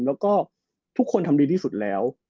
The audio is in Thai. แล้วก็ทุกคนทำดีที่สุดแล้ว